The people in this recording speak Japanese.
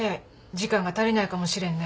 時間が足りないかもしれんね。